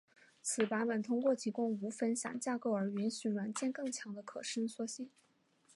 此版本通过提供无分享架构而允许软件更强的可伸缩性。